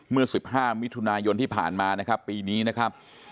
เมื่อ๑๕มิถุนายนที่ผ่านมานะครับปีนี้นะครับ